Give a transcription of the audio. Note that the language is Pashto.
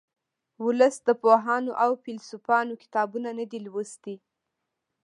ولس د پوهانو او فیلسوفانو کتابونه نه دي لوستي